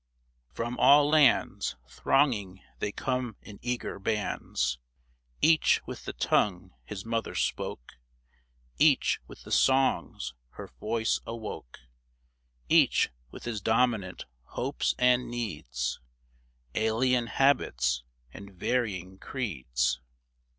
From all lands Thronging they come in eager bands ; Each with the tongue his mother spoke ; Each with the songs her voice awoke ; Each with his dominant hopes and needs. Alien habits and varying creeds.